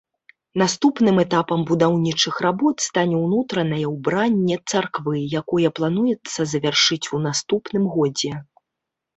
Наступным этапам будаўнічых работ стане ўнутранае ўбранне царквы, якое плануецца завяршыць у наступным годзе.